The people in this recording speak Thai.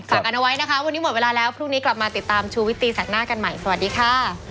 กันเอาไว้นะคะวันนี้หมดเวลาแล้วพรุ่งนี้กลับมาติดตามชูวิตตีแสกหน้ากันใหม่สวัสดีค่ะ